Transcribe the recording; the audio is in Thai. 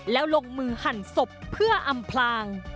แล้วลงมือหั่นศพเพื่ออำพลาง